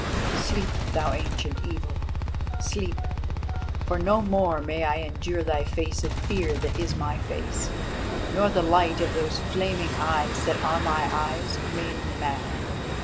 Sleep, thou Ancient Evil. Sleep, for no more may I endure thy face of fear that is my face, nor the light of those flaming eyes that are my eyes made mad."